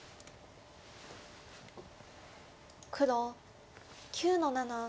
黒９の七。